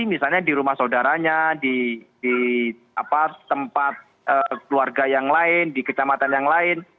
misalnya di rumah saudaranya di tempat keluarga yang lain di kecamatan yang lain